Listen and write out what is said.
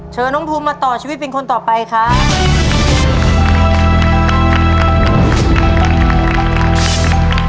เชิญน้องภูมิมาต่อชีวิตเป็นคนต่อไปครับ